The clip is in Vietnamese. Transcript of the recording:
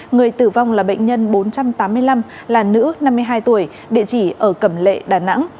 người tử vong là bệnh nhân bốn trăm tám mươi năm là nữ năm mươi hai tuổi địa chỉ ở cẩm lệ đà nẵng